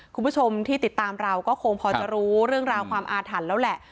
คุณผู้ชมที่ติดตามเราก็คงพอจะรู้เรื่องราวความอาถรรพ์แล้วแหละ